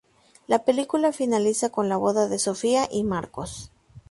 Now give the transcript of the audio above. La película finaliza con la boda de Sofía y Marcos.